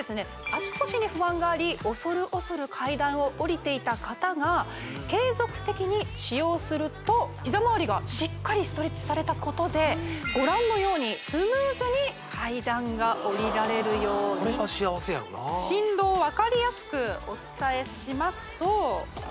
足腰に不安があり恐る恐る階段を下りていた方が継続的に使用すると膝まわりがしっかりストレッチされたことでご覧のようにスムーズに階段が下りられるようにこれは幸せやろなこれ分かりますか？